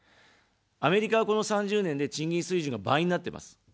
アメリカは、この３０年で賃金水準が倍になってます。